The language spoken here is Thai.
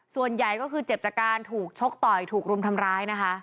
ส่วนใหญ่ก็คือเจ็บจากการถูกชกต่อยถูกรุมทำร้ายนะคะ